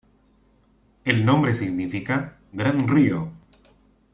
El nombre significa 'gran río'.